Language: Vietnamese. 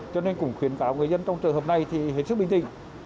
cho nên cũng khuyến cáo người dân trong trường hợp này thì hết sức bình tĩnh